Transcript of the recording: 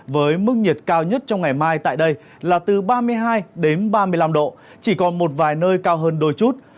với mức nhiệt cao nhất trong ngày mai tại đây là từ ba mươi hai đến ba mươi năm độ chỉ còn một vài nơi cao hơn đôi chút